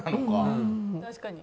確かに。